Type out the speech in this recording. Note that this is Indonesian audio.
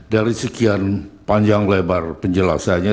dari sekian panjang lebar penjelasannya